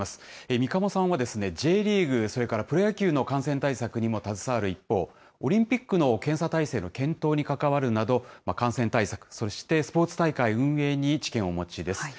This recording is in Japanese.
三鴨さんはですね、Ｊリーグ、それからプロ野球の感染対策にも携わる一方、オリンピックの検査体制の検討に関わるなど、感染対策、そしてスポーツ大会運営に知見をお持ちです。